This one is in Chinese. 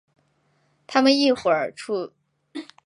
他们一会儿去吃饭。